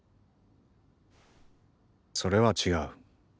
それは違う。